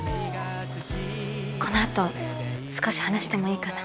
この後少し話してもいいかな？